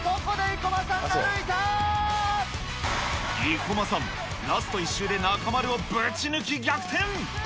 生駒さん、ラスト１周で中丸をぶち抜き、逆転。